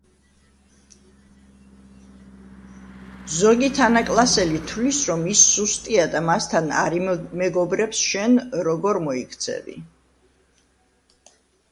ზოგი თანაკლასელი თვლის რომ ის სუსტია და მასთან არ იმეგობრებს შენ როგორ მოიქცევი